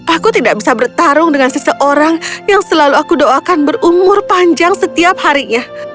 aku tidak bisa bertarung dengan seseorang yang selalu aku doakan berumur panjang setiap harinya